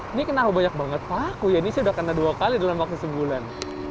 ini kenapa banyak banget paku ya ini sudah kena dua kali dalam waktu sebulan